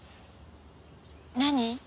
何？